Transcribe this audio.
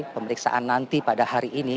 pemeriksaan nanti pada hari ini